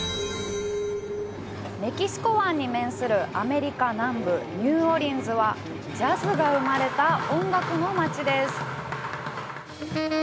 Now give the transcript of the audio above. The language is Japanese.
メキシコ湾に面するアメリカ南部・ニューオリンズはジャズが生まれた、音楽の街です。